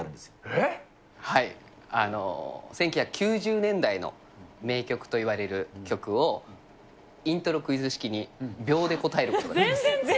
１９９０年代の名曲といわれる曲を、イントロクイズ式に秒で答えることです。